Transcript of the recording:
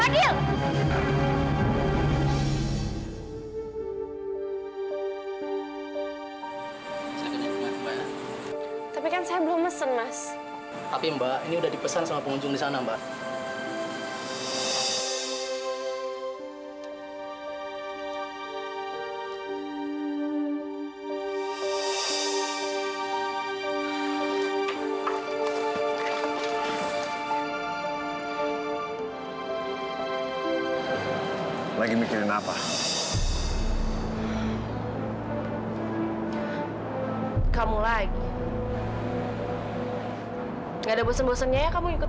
dari semenjak kamu ninggalin aku